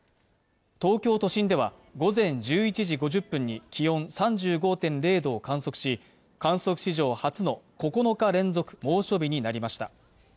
東京都心では午前１１時５０分に気温３５．０度を観測し、観測史上初の９日連続猛暑日になりました。